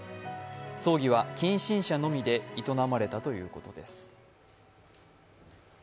葬儀は近親者のみで営まれたということです。